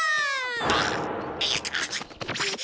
あっ！